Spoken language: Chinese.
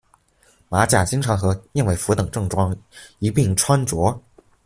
马甲经常和燕尾服等正装一并穿着。